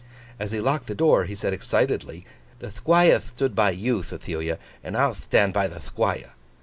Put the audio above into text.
As he locked the door, he said excitedly: 'The Thquire thtood by you, Thethilia, and I'll thtand by the Thquire.